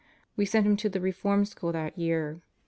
We sent him to the Reform School that year.